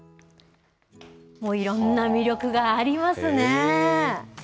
いろんな魅力がありますね。